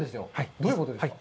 どういうことですか。